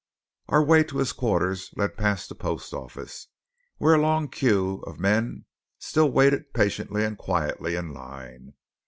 Our way to his quarters led past the post office, where a long queue of men still waited patiently and quietly in line.